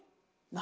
何？